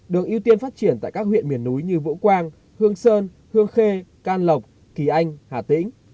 được ưu tiên phát triển tại các huyện miền núi như vũ quang hương sơn hương khê can lộc kỳ anh hà tĩnh